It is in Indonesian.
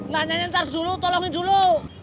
nanyanya ntar dulu tolongin dulu